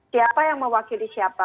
siapa yang mewakili siapa